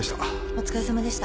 お疲れさまでした。